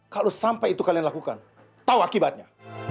kalau sampai itu kalian lakukan tahu akibatnya